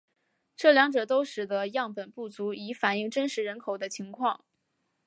这两者都使得样本不足以反映真实人口的情况。